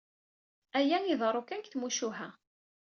Aya iḍerru kan deg tmucuha...